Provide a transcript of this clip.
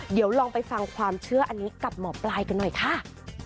เดี๋ยวลองไปฟังความเชื่ออันนี้กับหมอปลายกันหน่อยค่ะ